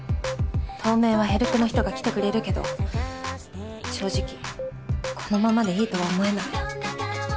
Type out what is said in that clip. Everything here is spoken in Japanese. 当面はヘルプの人が来てくれるけど正直このままでいいとは思えない。